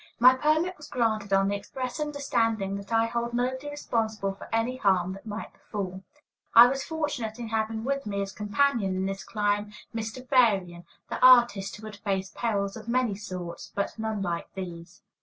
My permit was granted on the express understanding that I hold nobody responsible for any harm that might befall. I was fortunate in having with me as companion in this climb Mr. Varian, the artist, who had faced perils of many sorts, but none like these.